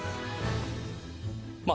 まあ